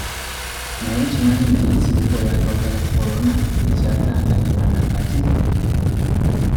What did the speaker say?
Naye okimanyi nti ensibuko y'akawuka ka Corona ekyatankanibwa na kati?